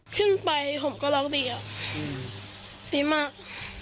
ขึ้นไปผมก็ล็อกดีอ่ะดีมาก